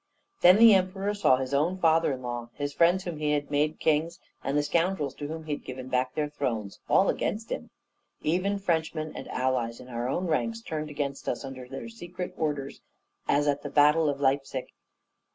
Then the Emperor saw his own father in law, his friends whom he had made kings, and the scoundrels to whom he had given back their thrones, all against him. Even Frenchmen, and allies in our own ranks, turned against us under secret orders, as at the battle of Leipsic.